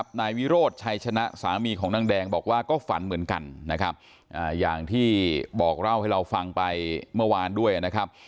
นายวิโรธชัยชนะสามีของนางแดงบอกว่าก็ฝันเหมือนกันนะครับอย่างที่บอกเล่าให้เราฟังไปเมื่อวานด้วยนะครับ